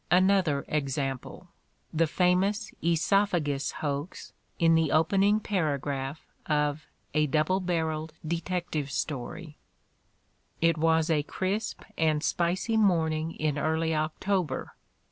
Another example, the famous "oesophagus" hoax in the opening paragraph of "A Double Barrelled Detec tive Story": It was a crisp and spicy morning in early October.